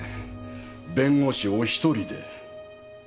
弁護士お１人で。